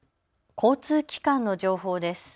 交通機関の情報です。